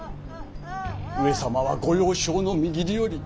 上様はご幼少のみぎりより